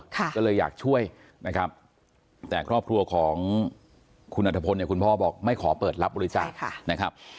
ก็เลยอยากช่วยนะครับแต่ครอบครัวของคุณอัฐพลเนี่ยคุณพ่อบอกไม่ขอเปิดรับบริจาคนะครับ